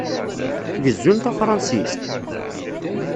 Gezzun tafṛensist?